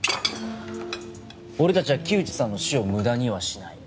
俺たちは木内さんの死を無駄にはしない。